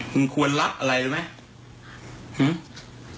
มึงควรรับอะไรไหม